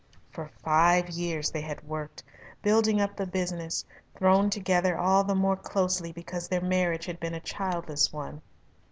For five years they had worked, building up the business, thrown together all the more closely because their marriage had been a childless one.